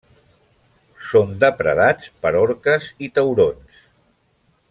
Són depredats per orques i taurons.